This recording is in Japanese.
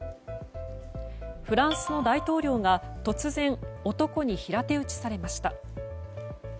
フランスの大統領が突然男に平手打ちされました。